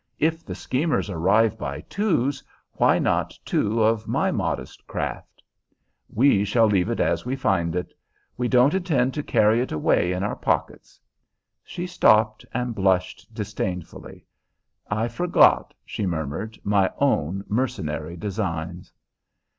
"If the schemers arrive by twos, why not two of my modest craft? We shall leave it as we find it; we don't intend to carry it away in our pockets." She stopped, and blushed disdainfully. "I forgot," she murmured, "my own mercenary designs."